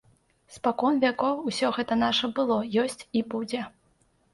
Спакон вякоў усё гэта наша было, ёсць і будзе.